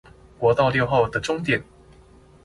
國道六號的終點